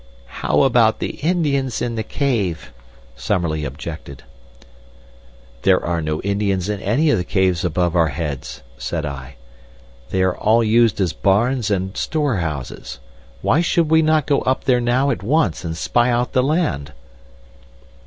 "How about the Indians in the cave?" Summerlee objected. "There are no Indians in any of the caves above our heads," said I. "They are all used as barns and store houses. Why should we not go up now at once and spy out the land?"